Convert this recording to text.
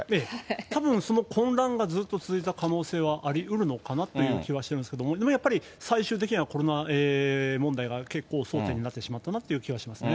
たぶんその混乱がずっと続いた可能性はありうるのかなという気はしますけど、やっぱり最終的にはコロナ問題が結構、争点になってしまったなという気はしますね。